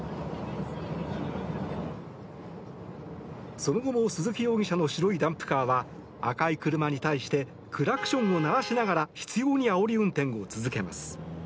その後も鈴木容疑者の白いダンプカーは赤い車に対してクラクションを鳴らしながら執ようにあおり運転を続けます。